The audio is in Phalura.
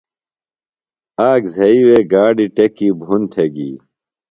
آک زھئی وےگاڑیۡ ٹیکی بُھن تھےۡ گی۔